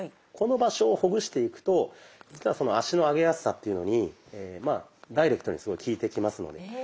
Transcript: この場所をほぐしていくと実は足の上げやすさっていうのにダイレクトにすごい効いてきますので。